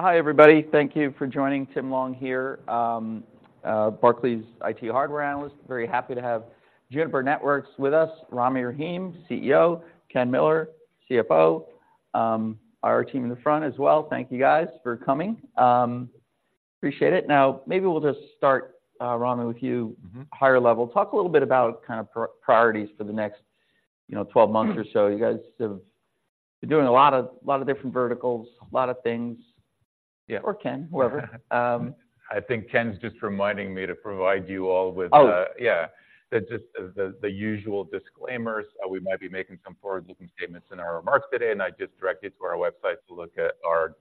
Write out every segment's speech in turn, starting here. Hi, everybody. Thank you for joining. Tim Long here, Barclays IT hardware analyst. Very happy to have Juniper Networks with us. Rahim Rami, CEO, Ken Miller, CFO, our team in the front as well. Thank you guys for coming. Appreciate it. Now, maybe we'll just start, Rami, with you. Mm-hmm. Higher level. Talk a little bit about kind of priorities for the next, you know, 12 months or so. You guys have been doing a lot of, lot of different verticals, a lot of things. Yeah. Or Ken, whoever. I think Ken's just reminding me to provide you all with, Oh. Yeah. Just the usual disclaimers. We might be making some forward-looking statements in our remarks today, and I'd just direct you to our website to look at our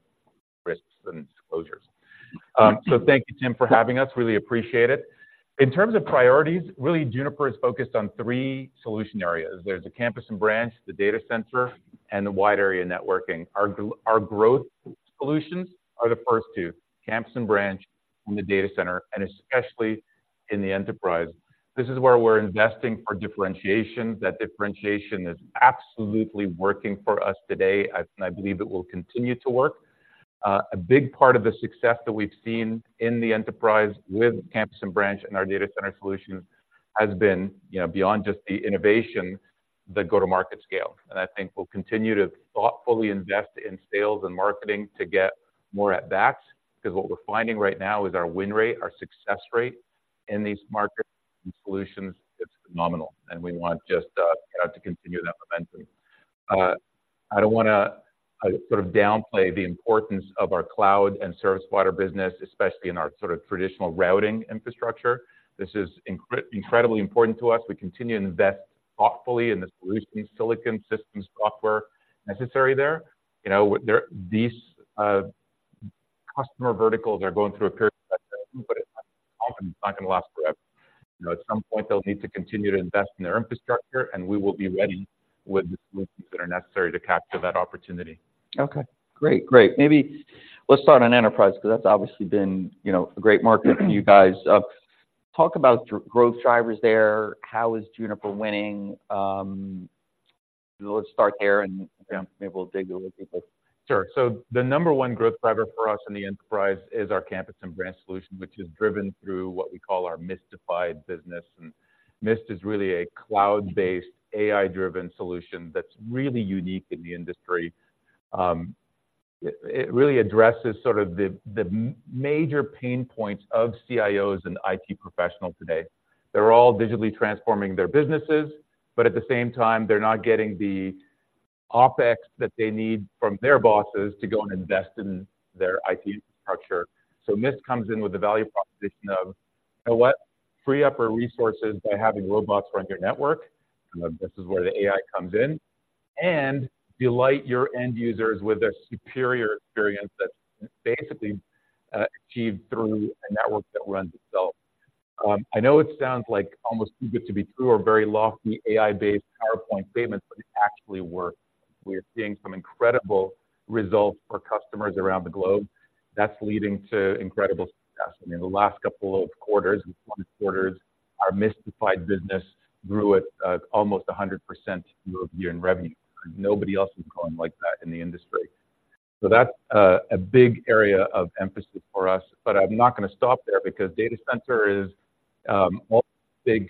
risks and disclosures. So thank you, Tim, for having us. Really appreciate it. In terms of priorities, really, Juniper is focused on three solution areas. There's the campus and branch, the data center, and the wide area networking. Our growth solutions are the first two, campus and branch, and the data center, and especially in the enterprise. This is where we're investing for differentiation. That differentiation is absolutely working for us today, and I believe it will continue to work. A big part of the success that we've seen in the enterprise with campus and branch and our data center solution has been, you know, beyond just the innovation, the go-to-market scale. I think we'll continue to thoughtfully invest in sales and marketing to get more at bats, because what we're finding right now is our win rate, our success rate in these markets and solutions, it's phenomenal, and we want just to continue that momentum. I don't want to sort of downplay the importance of our cloud and service provider business, especially in our sort of traditional routing infrastructure. This is incredibly important to us. We continue to invest thoughtfully in the solutions, silicon, systems, software necessary there. You know, these customer verticals are going through a period, but it's not going to last forever. You know, at some point, they'll need to continue to invest in their infrastructure, and we will be ready with the solutions that are necessary to capture that opportunity. Okay, great. Great. Maybe let's start on enterprise, because that's obviously been, you know, a great market for you guys. Talk about growth drivers there. How is Juniper winning? Let's start there, and maybe we'll dig a little deeper. Sure. So the number one growth driver for us in the enterprise is our campus and branch solution, which is driven through what we call our Mistified business. And Mist is really a cloud-based, AI-driven solution that's really unique in the industry. It really addresses sort of the major pain points of CIOs and IT professionals today. They're all digitally transforming their businesses, but at the same time, they're not getting the OpEx that they need from their bosses to go and invest in their IT infrastructure. So Mist comes in with the value proposition of, you know what? Free up our resources by having robots run your network. This is where the AI comes in, and delight your end users with a superior experience that's basically achieved through a network that runs itself. I know it sounds like almost too good to be true or very lofty, AI-based PowerPoint statements, but it actually works. We're seeing some incredible results for customers around the globe. That's leading to incredible success. I mean, the last couple of quarters, our Mistified business grew at almost 100% year-over-year in revenue. Nobody else is growing like that in the industry. So that's a big area of emphasis for us. But I'm not going to stop there, because data center is also a big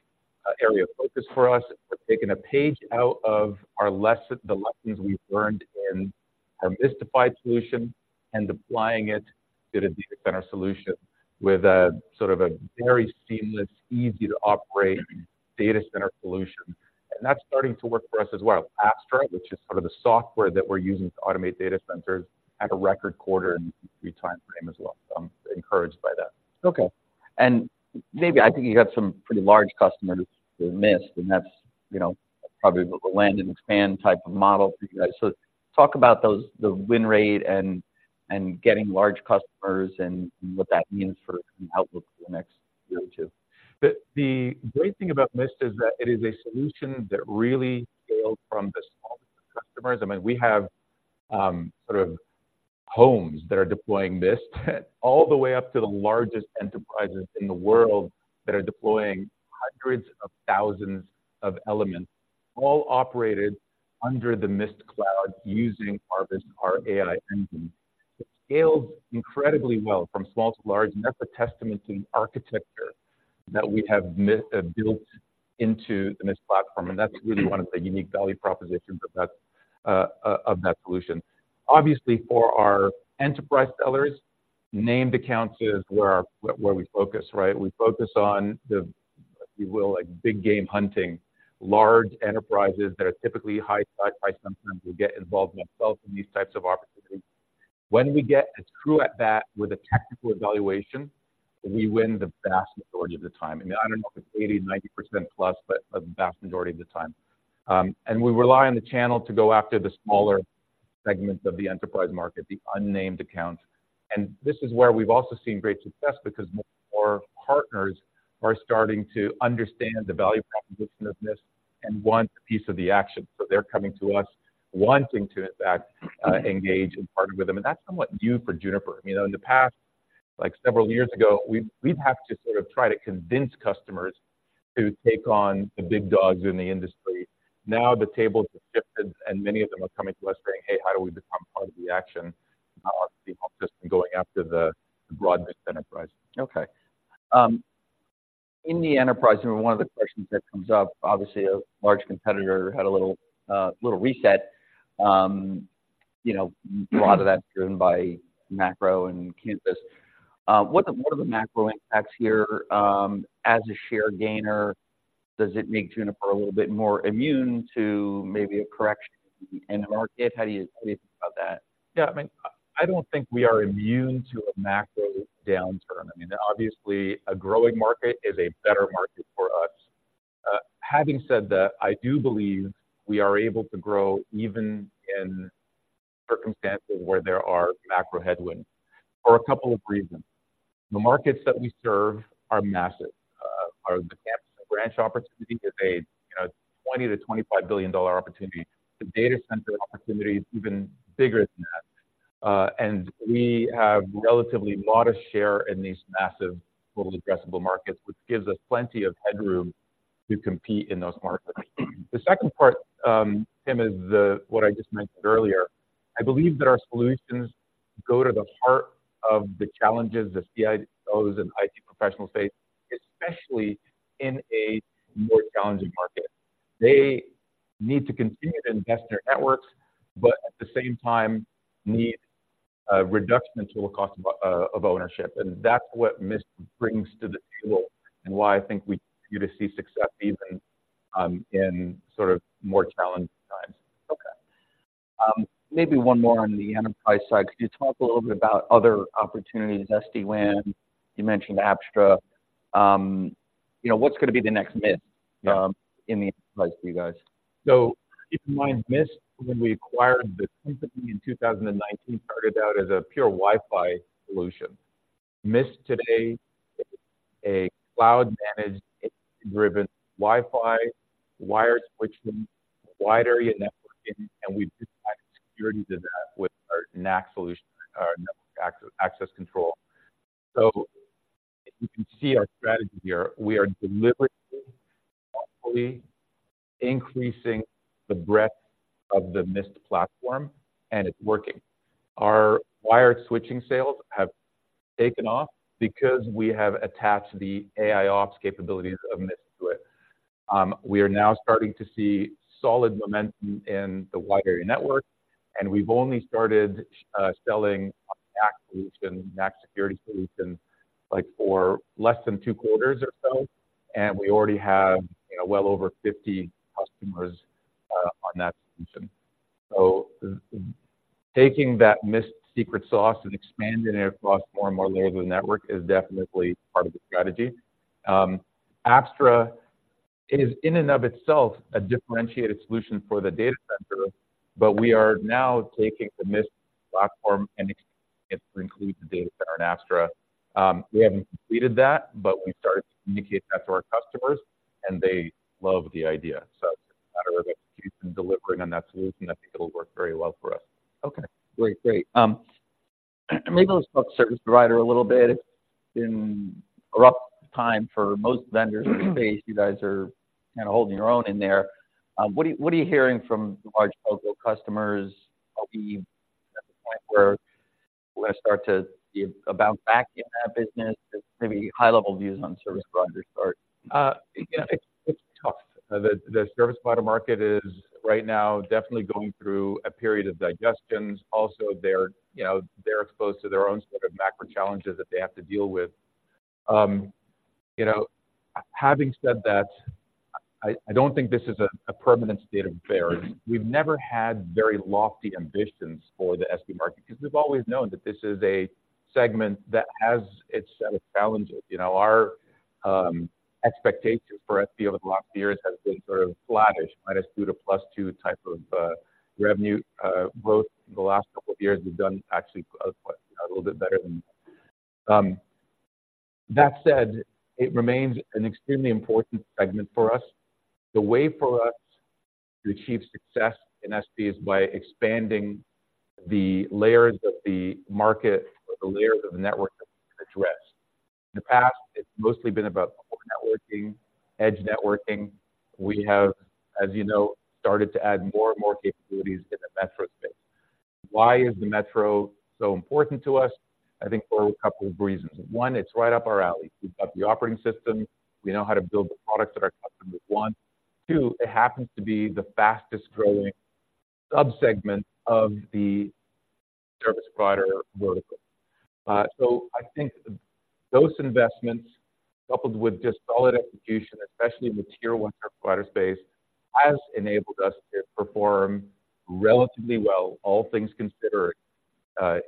area of focus for us. We've taken a page out of our lesson, the lessons we've learned in our Mistified solution and applying it to the data center solution with a sort of a very seamless, easy-to-operate data center solution. That's starting to work for us as well. Apstra, which is sort of the software that we're using to automate data centers, had a record quarter in the time frame as well. So I'm encouraged by that. Okay, and maybe I think you have some pretty large customers in Mist, and that's, you know, probably the land and expand type of model for you guys. So talk about those, the win rate and, and getting large customers and what that means for the outlook for the next year or two. The great thing about Mist is that it is a solution that really scaled from the small customers. I mean, we have sort of homes that are deploying Mist, all the way up to the largest enterprises in the world that are deploying hundreds of thousands of elements, all operated under the Mist cloud using our AI engine. It scales incredibly well from small to large, and that's a testament to the architecture that we have built into the Mist platform, and that's really one of the unique value propositions of that of that solution. Obviously, for our enterprise sellers, named accounts is where we focus, right? We focus on the, if you will, like, big game hunting, large enterprises that are typically high price. Sometimes we get involved myself in these types of opportunities. When we get a true at bat with a technical evaluation, we win the vast majority of the time. I mean, I don't know if it's 80%-90% plus, but the vast majority of the time. And we rely on the channel to go after the smaller segments of the enterprise market, the unnamed accounts. And this is where we've also seen great success because more partners are starting to understand the value proposition of Mist and want a piece of the action. So they're coming to us, wanting to, in fact, engage and partner with them, and that's somewhat new for Juniper. You know, in the past, like several years ago, we'd have to sort of try to convince customers to take on the big dogs in the industry... Now the tables have shifted, and many of them are coming to us saying: "Hey, how do we become part of the action?" People have just been going after the broad enterprise. Okay. In the enterprise, you know, one of the questions that comes up, obviously, a large competitor had a little reset. You know, a lot of that's driven by macro and campus. What are the macro impacts here? As a share gainer, does it make Juniper a little bit more immune to maybe a correction in the market? How do you think about that? Yeah, I mean, I don't think we are immune to a macro downturn. I mean, obviously, a growing market is a better market for us. Having said that, I do believe we are able to grow even in circumstances where there are macro headwinds for a couple of reasons. The markets that we serve are massive. Our campus and branch opportunity is a, you know, $20-25 billion opportunity. The data center opportunity is even bigger than that, and we have relatively modest share in these massive total addressable markets, which gives us plenty of headroom to compete in those markets. The second part, Tim, is what I just mentioned earlier, I believe that our solutions go to the heart of the challenges that CIOs and IT professionals face, especially in a more challenging market. They need to continue to invest in their networks, but at the same time need a reduction in total cost of ownership. That's what Mist brings to the table, and why I think we continue to see success even in sort of more challenging times. Okay. Maybe one more on the enterprise side. Could you talk a little bit about other opportunities, SD-WAN, you mentioned Apstra. You know, what's going to be the next Mist, in the enterprise for you guys? So keep in mind, Mist, when we acquired the company in 2019, started out as a pure Wi-Fi solution. Mist today is a cloud-managed, AI-driven Wi-Fi, wired switching, wide area networking, and we've added security to that with our NAC solution, our network access control. So you can see our strategy here. We are deliberately, thoughtfully increasing the breadth of the Mist platform, and it's working. Our wired switching sales have taken off because we have attached the AIOps capabilities of Mist to it. We are now starting to see solid momentum in the wide area network, and we've only started selling our NAC solution, NAC security solution, like for less than two quarters or so, and we already have, you know, well over 50 customers on that solution. So taking that Mist secret sauce and expanding it across more and more layers of the network is definitely part of the strategy. Apstra is in and of itself a differentiated solution for the data center, but we are now taking the Mist platform and expanding it to include the data center in Apstra. We haven't completed that, but we started to communicate that to our customers, and they love the idea. So it's a matter of execution, delivering on that solution. I think it'll work very well for us. Okay, great. Great. Maybe let's talk service provider a little bit. It's been a rough time for most vendors in the space. You guys are kind of holding your own in there. What are you, what are you hearing from the large mobile customers? Are we at the point where we're going to start to see a bounce back in that business? Maybe high-level views on service provider start. Yeah, it's tough. The service provider market is right now definitely going through a period of digestion. Also, they're, you know, exposed to their own sort of macro challenges that they have to deal with. You know, having said that, I don't think this is a permanent state of affairs. We've never had very lofty ambitions for the SP market because we've always known that this is a segment that has its set of challenges. You know, our expectations for SP over the last few years has been sort of flattish, -2 to +2 type of revenue growth. Growth in the last couple of years has done actually a little bit better than that. That said, it remains an extremely important segment for us. The way for us to achieve success in SP is by expanding the layers of the market or the layers of the network that we address. In the past, it's mostly been about networking, edge networking. We have, as you know, started to add more and more capabilities in the metro space. Why is the metro so important to us? I think for a couple of reasons. One, it's right up our alley. We've got the operating system. We know how to build the products that our customers want. Two, it happens to be the fastest growing subsegment of the service provider vertical. So I think those investments, coupled with just solid execution, especially in the Tier 1 service provider space, has enabled us to perform relatively well, all things considered,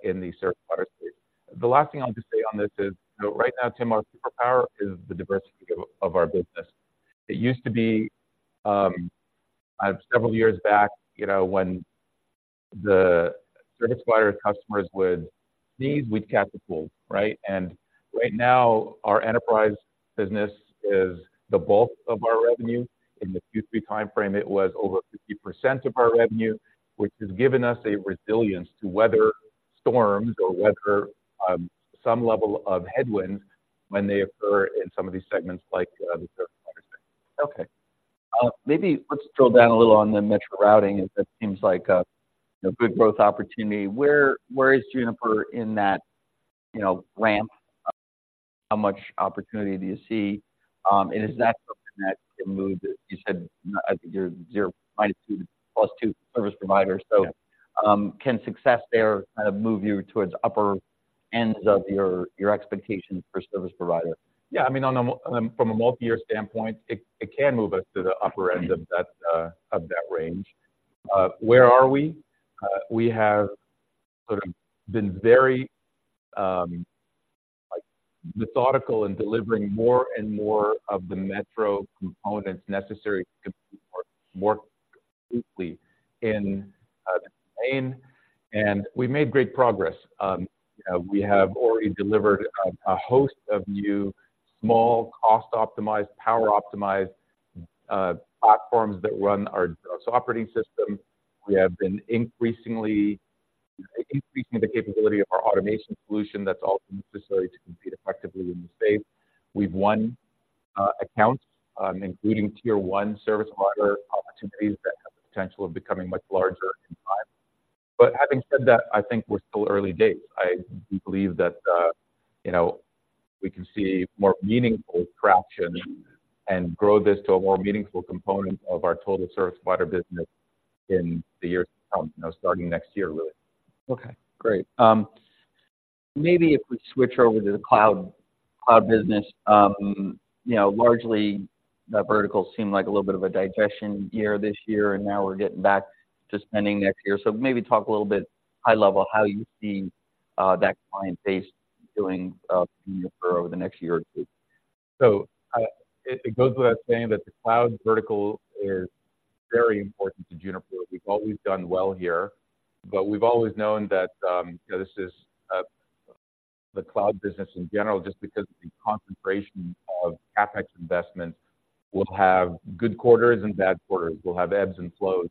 in the service provider space. The last thing I'll just say on this is, right now, Tim, our superpower is the diversity of, of our business. It used to be, several years back, you know, when the service provider customers would sneeze, we'd catch a cold, right? And right now, our enterprise business is the bulk of our revenue. In the Q3 timeframe, it was over 50% of our revenue, which has given us a resilience to weather storms or weather, some level of headwinds when they occur in some of these segments like the service provider space. Okay, maybe let's drill down a little on the metro routing. It seems like a good growth opportunity. Where is Juniper in that, you know, ramp? How much opportunity do you see? And is that something that can move, you said, I think you're -2, +2 service providers. Yeah. Can success there kind of move you towards upper ends of your expectations for service provider? Yeah, I mean, from a multi-year standpoint, it can move us to the upper end of that range. Where are we? We have sort of been very, like, methodical in delivering more and more of the metro components necessary to work more completely in the domain, and we've made great progress. We have already delivered a host of new small, cost-optimized, power-optimized platforms that run our operating system. We have been increasingly increasing the capability of our automation solution that's also necessary to compete effectively in the space. We've won accounts, including tier one service provider opportunities that have the potential of becoming much larger in time. But having said that, I think we're still early days. We believe that, you know, we can see more meaningful traction and grow this to a more meaningful component of our total service provider business in the years to come, you know, starting next year, really. Okay, great. Maybe if we switch over to the cloud, cloud business. You know, largely, that vertical seemed like a little bit of a digestion year this year, and now we're getting back to spending next year. So maybe talk a little bit high level, how you see that client base doing for over the next year or two. So it goes without saying that the cloud vertical is very important to Juniper. We've always done well here, but we've always known that, you know, this is the cloud business in general, just because of the concentration of CapEx investments, will have good quarters and bad quarters, will have ebbs and flows.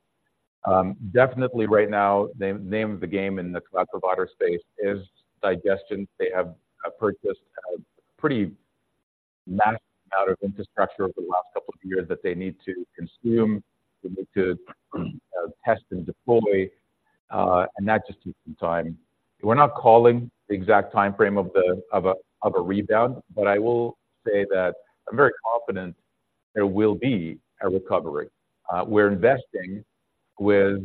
Definitely right now, name of the game in the cloud provider space is digestion. They have purchased a pretty massive amount of infrastructure over the last couple of years that they need to consume, they need to test and deploy, and that just takes some time. We're not calling the exact time frame of a rebound, but I will say that I'm very confident there will be a recovery. We're investing with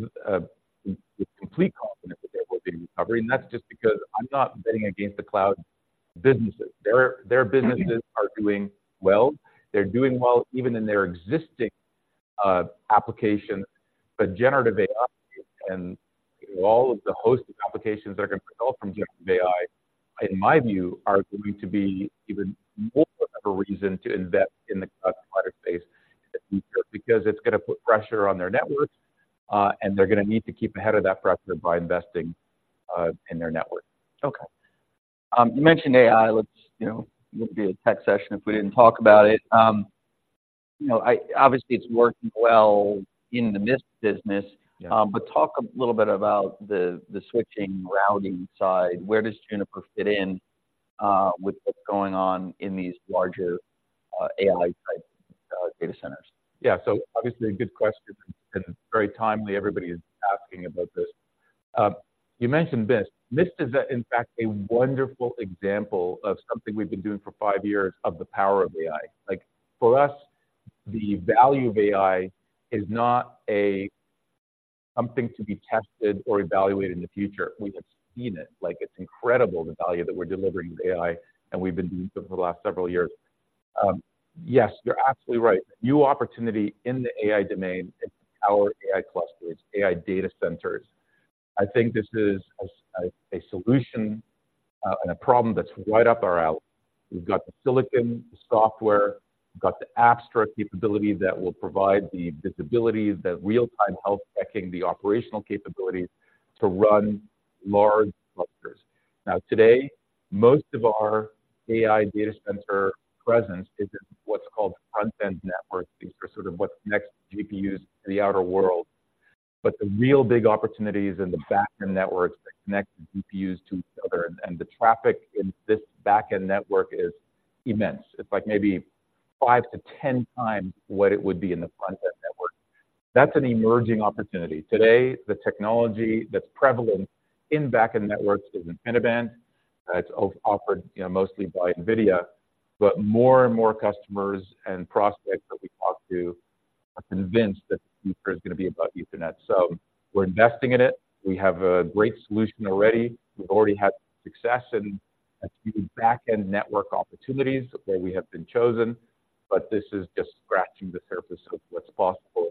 complete confidence that there will be recovery, and that's just because I'm not betting against the cloud businesses. Mm-hmm. Their businesses are doing well. They're doing well even in their existing applications. But generative AI and all of the host of applications that are going to result from generative AI, in my view, are going to be even more of a reason to invest in the cloud provider space, because it's going to put pressure on their networks, and they're going to need to keep ahead of that pressure by investing in their network. Okay. You mentioned AI. Let's, you know, it wouldn't be a tech session if we didn't talk about it. You know, obviously, it's working well in the Mist business. Yeah. But talk a little bit about the switching routing side. Where does Juniper fit in, with what's going on in these larger, AI type, data centers? Yeah, so obviously a good question, and it's very timely. Everybody is asking about this. You mentioned Mist. Mist is, in fact, a wonderful example of something we've been doing for five years, of the power of AI. Like, for us, the value of AI is not a something to be tested or evaluated in the future. We have seen it, like, it's incredible the value that we're delivering with AI, and we've been doing so for the last several years. Yes, you're absolutely right. New opportunity in the AI domain is our AI clusters, AI data centers. I think this is a solution, and a problem that's right up our alley. We've got the silicon, the software, we've got the Apstra capability that will provide the visibility, the real-time health checking, the operational capabilities to run large clusters. Now, today, most of our AI data center presence is in what's called the front-end networks. These are sort of what connects GPUs to the outer world. But the real big opportunity is in the back-end networks that connect the GPUs to each other, and the traffic in this back-end network is immense. It's like maybe 5-10 times what it would be in the front-end network. That's an emerging opportunity. Today, the technology that's prevalent in back-end networks is InfiniBand. It's offered, you know, mostly by NVIDIA, but more and more customers and prospects that we talk to are convinced that the future is going to be about Ethernet. So we're investing in it. We have a great solution already. We've already had success in a few back-end network opportunities where we have been chosen, but this is just scratching the surface of what's possible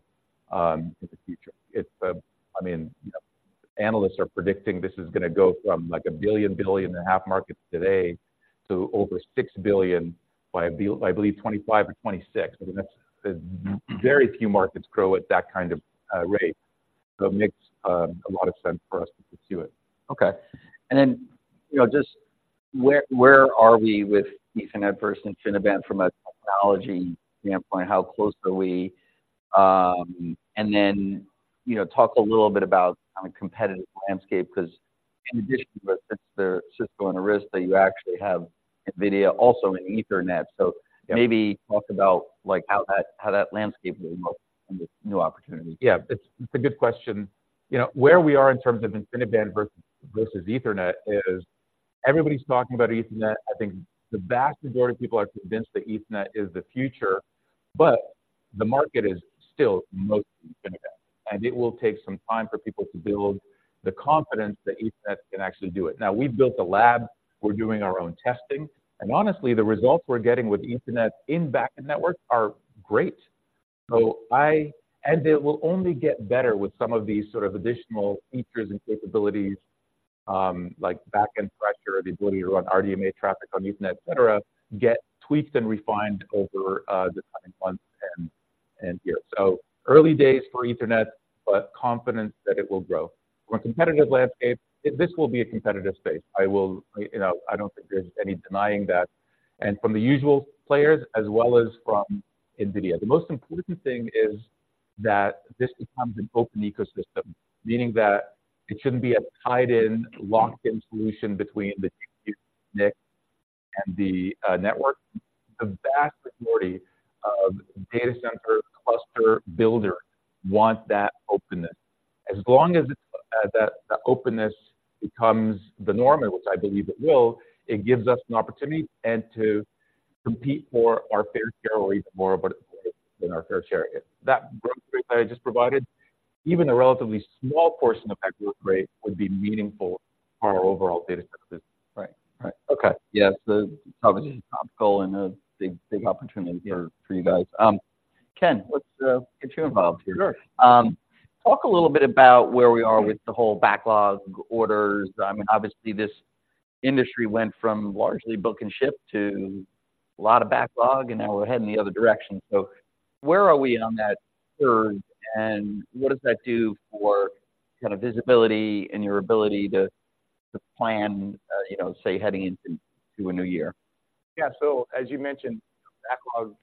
in the future. It's a... I mean, you know, analysts are predicting this is going to go from, like, $1-1.5 billion markets today to over $6 billion by, I believe, 2025 or 2026. I mean, that's very few markets grow at that kind of rate, so it makes a lot of sense for us to pursue it. Okay. And then, you know, just where are we with Ethernet versus InfiniBand from a technology standpoint? How close are we? And then, you know, talk a little bit about kind of competitive landscape, because in addition to Cisco and Arista, you actually have NVIDIA also in Ethernet. Yeah. Maybe talk about, like, how that landscape will evolve and the new opportunities. Yeah, it's a good question. You know, where we are in terms of InfiniBand versus Ethernet is everybody's talking about Ethernet. I think the vast majority of people are convinced that Ethernet is the future, but the market is still mostly InfiniBand, and it will take some time for people to build the confidence that Ethernet can actually do it. Now, we've built a lab. We're doing our own testing, and honestly, the results we're getting with Ethernet in backend networks are great. So, it will only get better with some of these sort of additional features and capabilities, like backend pressure, the ability to run RDMA traffic on Ethernet, et cetera, get tweaked and refined over the coming months and years. So early days for Ethernet, but confidence that it will grow. On competitive landscape, this will be a competitive space. I will, you know, I don't think there's any denying that, and from the usual players as well as from NVIDIA. The most important thing is that this becomes an open ecosystem, meaning that it shouldn't be a tied-in, locked-in solution between the NIC and the network. The vast majority of data center cluster builder want that openness. As long as it's that openness becomes the norm, and which I believe it will, it gives us an opportunity and to compete for our fair share or even more of it than our fair share is. That growth rate I just provided, even a relatively small portion of that growth rate would be meaningful for our overall data center business. Right. Right. Okay. Yes, the topic is topical and a big, big opportunity for you guys. Ken, let's get you involved here. Sure. Talk a little bit about where we are with the whole backlog orders. I mean, obviously, this industry went from largely book and ship to a lot of backlog, and now we're heading in the other direction. So where are we on that curve, and what does that do for kind of visibility and your ability to, to plan, you know, say, heading into, to a new year? Yeah. So as you mentioned, backlog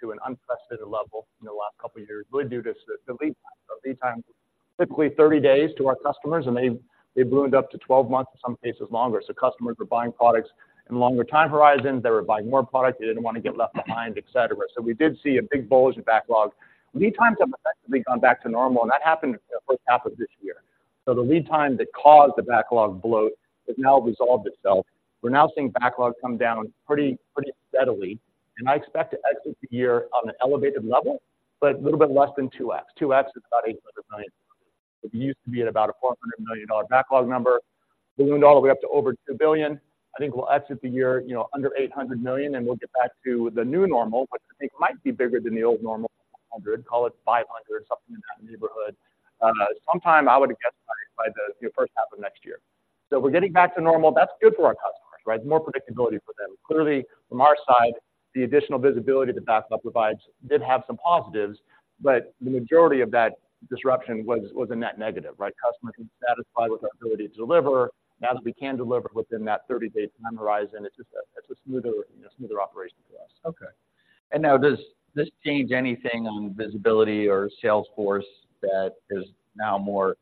to an unprecedented level in the last couple of years, really due to the lead time. So lead time, typically 30 days to our customers, and they, they ballooned up to 12 months, in some cases longer. So customers were buying products in longer time horizons. They were buying more product, they didn't want to get left behind, et cetera. So we did see a big bulge of backlog. Lead times have effectively gone back to normal, and that happened in the H1 of this year. So the lead time that caused the backlog bloat has now resolved itself. We're now seeing backlog come down pretty, pretty steadily, and I expect to exit the year on an elevated level, but a little bit less than 2x. 2x is about $800 million. It used to be at about a $400 million backlog number, ballooned all the way up to over $2 billion. I think we'll exit the year, you know, under $800 million, and we'll get back to the new normal, which I think might be bigger than the old normal, 100, call it 500, something in that neighborhood. Sometime I would guess by the H1 of next year. So we're getting back to normal. That's good for our customers, right? More predictability for them. Clearly, from our side, the additional visibility the backlog provides did have some positives, but the majority of that disruption was a net negative, right? Customers aren't satisfied with our ability to deliver. Now that we can deliver within that 30-day time horizon, it's just a smoother, you know, smoother operation for us. Okay. Now, does this change anything on visibility or sales force that is now more,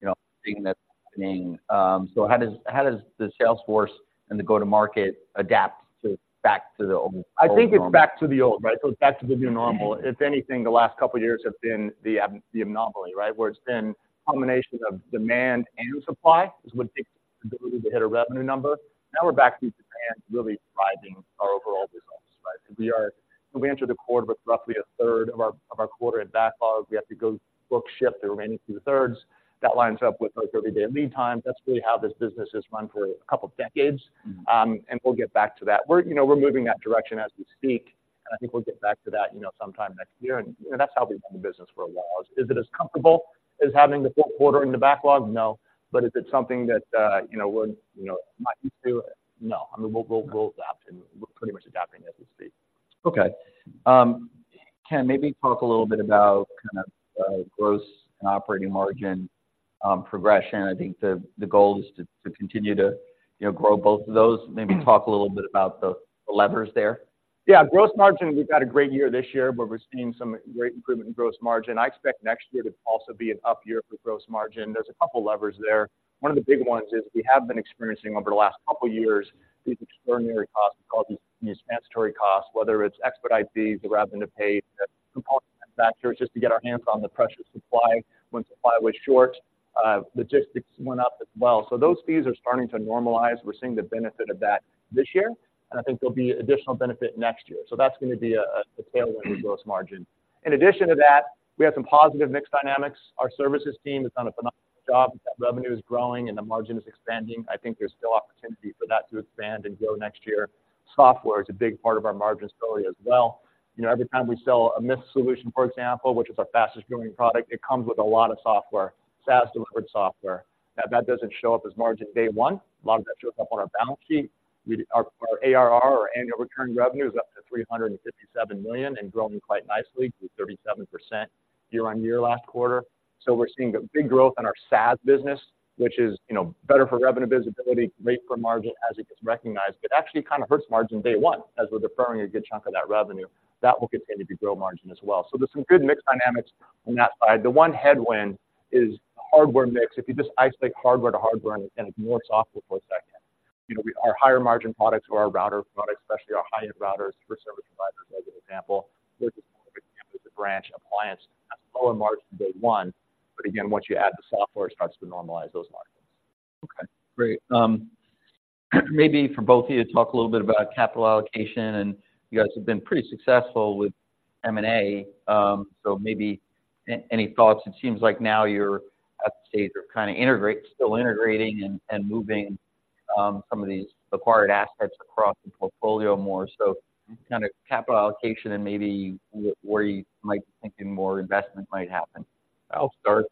you know, thing that's happening? So how does, how does the sales force and the go-to-market adapt to back to the old, old normal? I think it's back to the old, right? So it's back to the new normal. If anything, the last couple of years have been the anomaly, right? Where it's been a combination of demand and supply, is what takes the ability to hit a revenue number. Now we're back to demand really driving our overall results, right? We entered the quarter with roughly a third of our quarter in backlog. We have to go book, ship the remaining two thirds. That lines up with our everyday lead time. That's really how this business has run for a couple of decades. Mm-hmm. We'll get back to that. We're, you know, we're moving that direction as we speak, and I think we'll get back to that, you know, sometime next year, and, you know, that's how we've done business for a while. Is it as comfortable as having the Q4 in the backlog? No. But is it something that, you know, we're, you know, not used to? No. I mean, we'll, we'll adapt, and we're pretty much adapting as we speak. Okay. Ken, maybe talk a little bit about kind of gross and operating margin progression. I think the goal is to continue to, you know, grow both of those. Mm-hmm. Maybe talk a little bit about the levers there. Yeah, gross margin, we've got a great year this year, but we're seeing some great improvement in gross margin. I expect next year to also be an up year for gross margin. There's a couple levers there. One of the big ones is we have been experiencing over the last couple of years, these extraordinary costs, we call these mandatory costs, whether it's expedite fees or revenue paid to component manufacturers, just to get our hands on the precious supply. When supply was short, logistics went up as well. So those fees are starting to normalize. We're seeing the benefit of that this year, and I think there'll be additional benefit next year. So that's going to be a tailwind with gross margin. In addition to that, we have some positive mix dynamics. Our services team has done a phenomenal job. That revenue is growing and the margin is expanding. I think there's still opportunity for that to expand and grow next year. Software is a big part of our margin story as well. You know, every time we sell a Mist solution, for example, which is our fastest growing product, it comes with a lot of software, SaaS delivered software. That, that doesn't show up as margin day one. A lot of that shows up on our balance sheet. We, our, our ARR, our annual recurring revenue, is up to $357 million and growing quite nicely to 37% year-on-year last quarter. So we're seeing a big growth in our SaaS business, which is, you know, better for revenue visibility, great for margin as it gets recognized, but actually kind of hurts margin day one, as we're deferring a good chunk of that revenue. That will continue to grow margin as well. So there's some good mix dynamics on that side. The one headwind is hardware mix. If you just isolate hardware to hardware and ignore software for a second, you know, our higher margin products or our router products, especially our high-end routers for service providers, as an example, versus more of a campus or branch appliance, that's lower margin day one, but again, once you add the software, it starts to normalize those margins. Okay, great. Maybe for both of you to talk a little bit about capital allocation, and you guys have been pretty successful with M&A. So maybe any thoughts? It seems like now you're at the stage of kinda still integrating and moving some of these acquired assets across the portfolio more. So kind of capital allocation and maybe where you might be thinking more investment might happen. I'll start.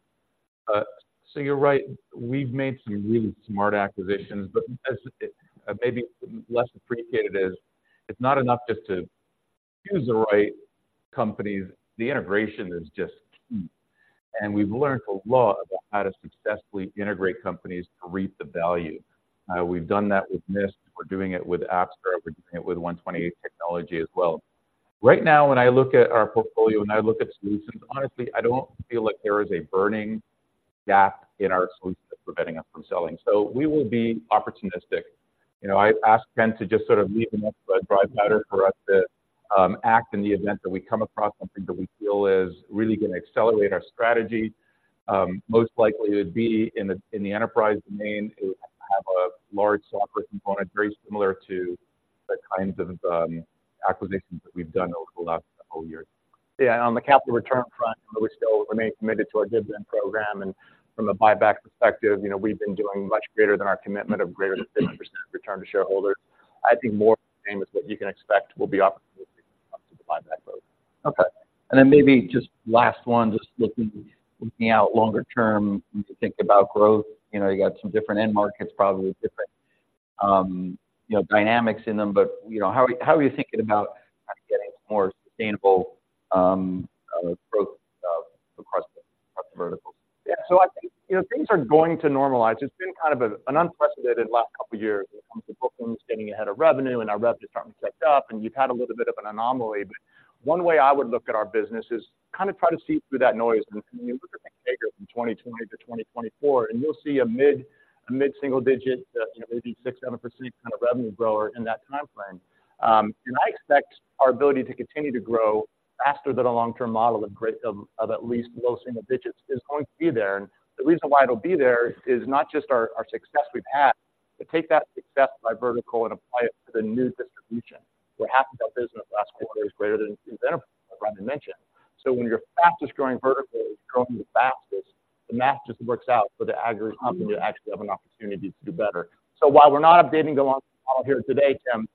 So you're right, we've made some really smart acquisitions, but as maybe less appreciated is, it's not enough just to choose the right companies, the integration is just key. And we've learned a lot about how to successfully integrate companies to reap the value. We've done that with Mist, we're doing it with Apstra, we're doing it with 128 Technology as well. Right now, when I look at our portfolio, when I look at solutions, honestly, I don't feel like there is a burning gap in our solutions that's preventing us from selling. So we will be opportunistic. You know, I asked Ken to just sort of leave the next slide better for us to act in the event that we come across something that we feel is really gonna accelerate our strategy. Most likely, it would be in the enterprise domain. It would have a large software component, very similar to the kinds of acquisitions that we've done over the last couple years. Yeah, on the capital return front, we still remain committed to our dividend program, and from a buyback perspective, you know, we've been doing much greater than our commitment of greater than 50% return to shareholders. I'd be remiss to say that you can expect we'll be opportunistic when it comes to the buyback road. Okay. And then maybe just last one, just looking out longer term, when you think about growth, you know, you got some different end markets, probably different, you know, dynamics in them, but, you know, how are you thinking about getting more sustainable growth across the verticals? Yeah. So I think, you know, things are going to normalize. It's been kind of an unprecedented last couple of years when it comes to bookings, getting ahead of revenue, and our rev department stepped up, and you've had a little bit of an anomaly. But one way I would look at our business is kind of try to see through that noise and look at the behavior from 2020 to 2024, and you'll see a mid-single digit, you know, maybe 6%-7% kind of revenue grower in that timeframe. And I expect our ability to continue to grow faster than a long-term model of at least low single digits is going to be there. The reason why it'll be there is not just our success we've had, but take that success by vertical and apply it to the new distribution, where half of our business last quarter is greater than in enterprise, like Rami mentioned. So when your fastest-growing vertical is growing the fastest, the math just works out for the aggregate company to actually have an opportunity to do better. So while we're not updating the long model here today, Tim,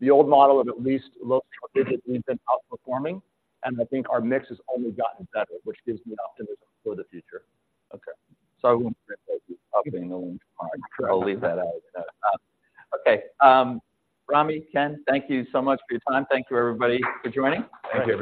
the old model of at least low digits, we've been outperforming, and I think our mix has only gotten better, which gives me optimism for the future. Okay. So I won't update the long term. I'll leave that out. Okay, Rami, Ken, thank you so much for your time. Thank you, everybody, for joining. Thank you.